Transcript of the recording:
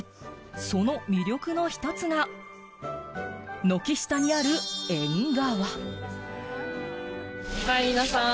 その魅力の一つが軒下にある縁側。